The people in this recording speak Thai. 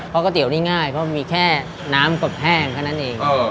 เพราะก๋วนี่ง่ายเพราะมีแค่น้ำกับแห้งเท่านั้นเอง